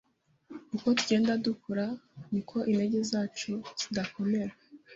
Uko tugenda dukura, niko intege zacu zidakomera.